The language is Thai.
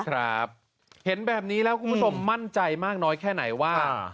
ครับเห็นแบบนี้แล้วคุณผู้ชมมั่นใจมากน้อยแค่ไหนว่า